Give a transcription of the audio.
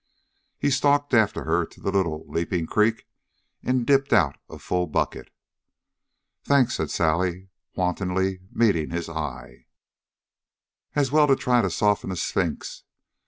He stalked after her to the little leaping creek and dipped out a full bucket. "Thanks," said Sally, wantonly meeting his eye. As well try to soften a sphinx.